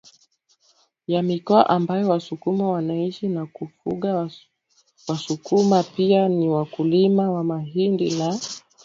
ya mikoa ambayo wasukuma wanaishi na kufugaWasukuma pia ni wakulima wa mahindi na